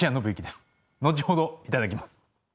後ほど頂きます。